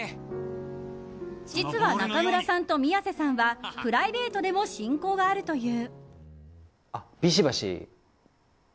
実は、中村さんと宮世さんはプライベートでも親交があるという。